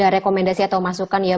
rekomendasi atau masukan ya